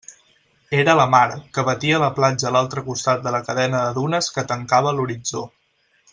Era la mar, que batia la platja a l'altre costat de la cadena de dunes que tancava l'horitzó.